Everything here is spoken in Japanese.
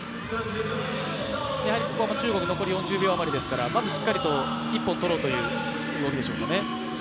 中国は残り４０秒余りですから、まずしっかりと１本取ろうという動きでしょうかね。